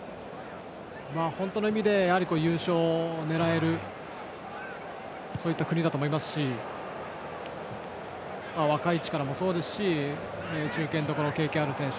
本当の意味で優勝を狙える国だと思いますし若い力もそうですし中堅どころの経験のある選手